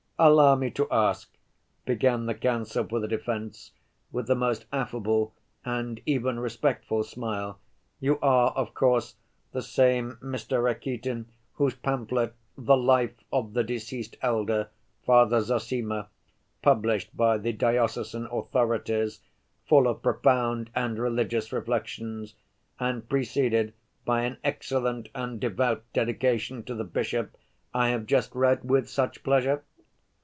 "Allow me to ask," began the counsel for the defense, with the most affable and even respectful smile, "you are, of course, the same Mr. Rakitin whose pamphlet, The Life of the Deceased Elder, Father Zossima, published by the diocesan authorities, full of profound and religious reflections and preceded by an excellent and devout dedication to the bishop, I have just read with such pleasure?"